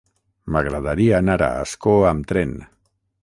M'agradaria anar a Ascó amb tren.